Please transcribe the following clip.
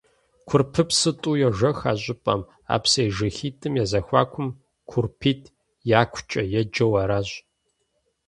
Курпыпсу тӀу йожэх а щӀыпӀэм, а псыежэхитӀым я зэхуакум «КурпитӀ якукӀэ» еджэу аращ.